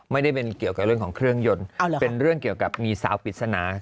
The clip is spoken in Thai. ไม่ได้เป็นเกี่ยวกับเรื่องของเครื่องยนต์เป็นเรื่องเกี่ยวกับมีสาวปริศนา